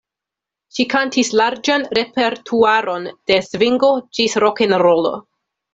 Ŝi kantis larĝan repertuaron de svingo ĝis rokenrolo.